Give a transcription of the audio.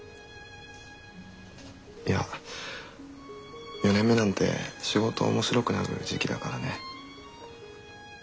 いや４年目なんて仕事面白くなる時期だからね。